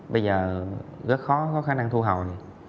bây giờ rất khó có khả năng thu hồi